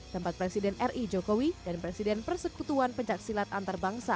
tempat presiden ri jokowi dan presiden persekutuan pencaksilat antarbangsa